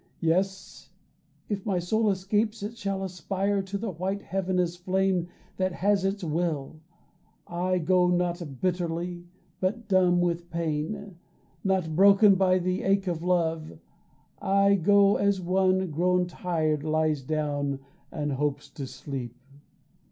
Yes, if my soul escape it shall aspire To the white heaven as flame that has its will. I go not bitterly, not dumb with pain, Not broken by the ache of love I go As one grown tired lies down and hopes to sleep.